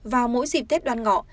vào mỗi dịp tết đoàn ngọc